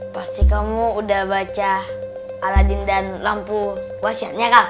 pasti kamu udah baca aladin dan lampu wasiatnya kak